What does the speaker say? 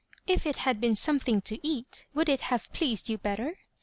"If it had been something to eat, would it Aave pleased you better